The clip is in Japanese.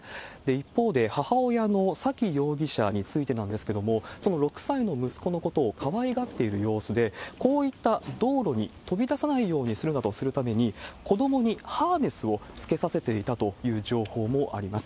一方で、母親のさき容疑者についてなんですけれども、その６歳の息子のことをかわいがっている様子で、こういった道路に飛び出さないようにするために、子どもにハーネスをつけさせていたという情報もあります。